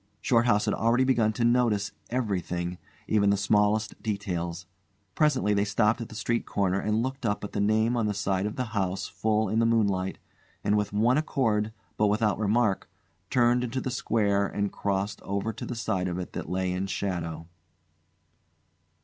Shorthouse had already begun to notice everything, even the smallest details. Presently they stopped at the street corner and looked up at the name on the side of the house full in the moonlight, and with one accord, but without remark, turned into the square and crossed over to the side of it that lay in shadow.